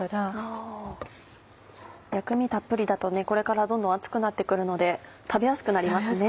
あぁ薬味たっぷりだとこれからどんどん暑くなって来るので食べやすくなりますね。